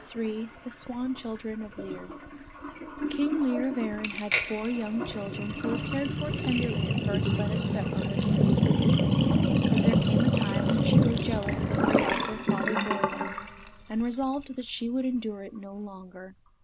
III THE SWAN CHILDREN OF LIR King Lir of Erin had four young children who were cared for tenderly at first by their stepmother, the new queen; but there came a time when she grew jealous of the love their father bore them, and resolved that she would endure it no longer.